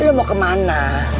lo mau kemana